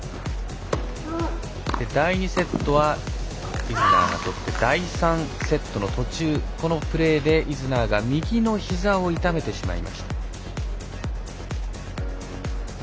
第２セットはイズナーがとって第３セットの途中このプレーでイズナーが右のひざを痛めてしまいました。